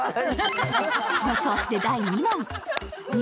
この調子で第２問。